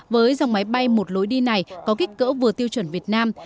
với dòng máy bay một lối đi này có kích cỡ vừa tiêu chuẩn việt nam